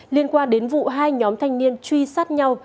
liên quan đến vụ hai nhóm thanh niên truy sát nhau